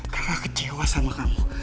kakak kecewa sama kamu